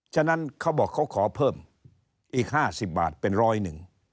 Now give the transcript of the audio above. ฉะนั้นเขาบอกเขาขอเพิ่มอีก๕๐บาทเป็น๑๐๑